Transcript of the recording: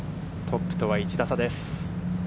トップとは１打差です。